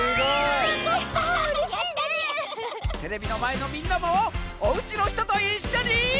テレビのまえのみんなもおうちのひとといっしょに。